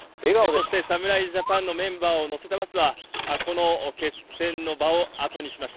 そして侍ジャパンのメンバーを乗せたバスは、この決戦の場を後にします。